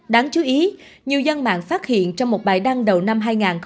đáng chú ý nhiều dân mạng phát hiện trong một bài đăng đầu năm hai nghìn hai mươi